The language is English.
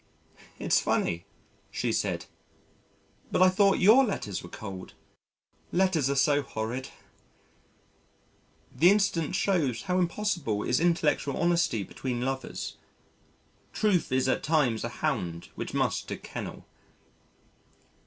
"It's funny," she said, "but I thought your letters were cold. Letters are so horrid." The incident shews how impossible is intellectual honesty between lovers. Truth is at times a hound which must to kennel.